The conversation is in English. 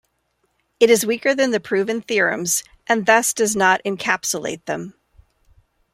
It is weaker than the proven theorems, and thus does not encapsulate them.